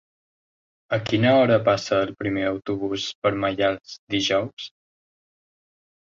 A quina hora passa el primer autobús per Maials dijous?